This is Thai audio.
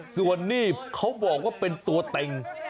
ส่วนนี้เขาบอกว่าเป็นตัวเต็ง